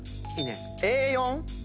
Ａ４？